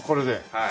はい。